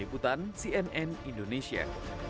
tim liputan cnn indonesia